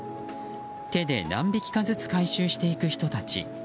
手で何匹かずつ回収していく人たち。